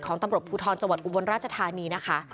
ตำรวจภูทรจังหวัดอุบลราชธานีนะคะ